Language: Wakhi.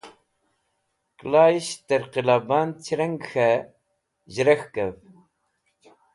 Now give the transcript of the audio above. Kẽlaysht tẽr qila bnad chẽreng k̃hẽ zhẽrekhkẽv.